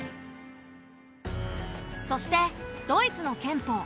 そしてドイツの憲法。